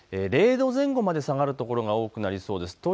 ０度前後まで下がる所が多くなりそうです。